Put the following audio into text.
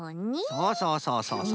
そうそうそうそうそう。